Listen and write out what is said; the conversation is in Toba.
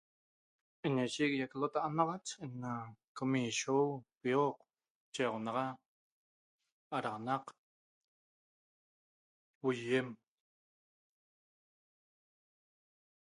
Ena shiguiaq ltaa' naxa ena .qomishio, pioq, chexonaxa, araxanaq, buhiem